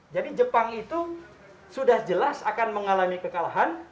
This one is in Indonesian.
jadi jepang itu sudah jelas akan mengalami kekalahan